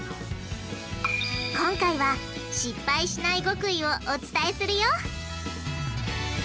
今回は失敗しない極意をお伝えするよ！